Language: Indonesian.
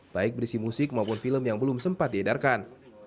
baik berisi musik maupun film yang belum sempat diedarkan